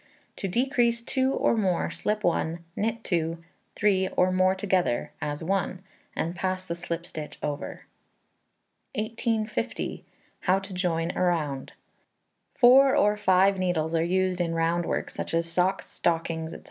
To decrease 2 or more, slip 1, knit 2, 3, or more together, as one, and pass the slip stitch over. 1850. How to Join a Round. Four or five needles are used in round work, such as socks, stockings, &c.